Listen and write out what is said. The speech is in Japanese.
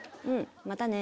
またね